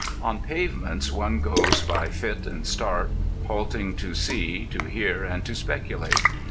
On pavements one goes by fit and start, halting to see, to hear, and to speculate.